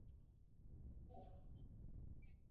প্রায় চার বছর পর।